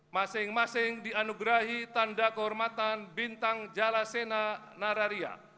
masing masing dianugerahi tanda kehormatan bintang jalasena nararia